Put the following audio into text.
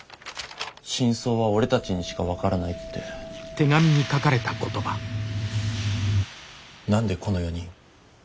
真相は俺たちにしかわからないって何でこの４人？